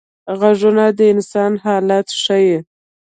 غږونه د انسان حالت ښيي